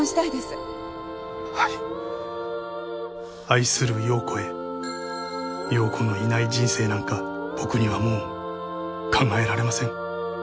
愛する葉子へ葉子のいない人生なんか僕にはもう考えられません。